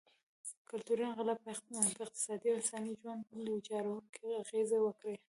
کلتوري انقلاب پر اقتصاد او انسا ژوند ویجاړوونکې اغېزې وکړې.